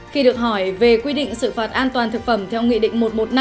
khi được hỏi về quy định xử phạt an toàn thực phẩm theo nghị định một trăm một mươi năm